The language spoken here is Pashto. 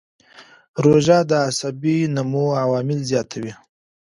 روژه د عصبي نمو عوامل زیاتوي.